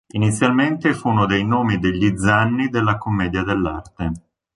Inizialmente fu uno dei nomi degli zanni della Commedia dell'arte.